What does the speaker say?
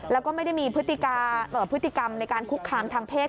แล้วก็ไม่ได้มีพฤติกรรมในการคุกคามทางเพศ